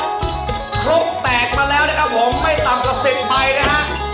ครกแตกมาแล้วนะครับผมไม่ต่ำกว่า๑๐ใบนะฮะ